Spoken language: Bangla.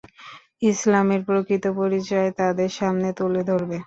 ইসলামের প্রকৃত পরিচয় তাদের সামনে তুলে ধরবে।